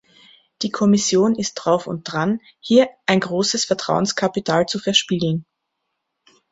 Die Kommission ist drauf und dran, hier ein großes Vertrauenskapital zu verspielen.